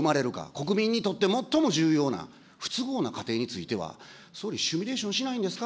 国民にとって最も重要な不都合な仮定については、総理、シミュレーションしないんですか。